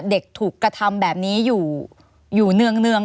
เด็กถูกกระทำแบบนี้อยู่เนื่อง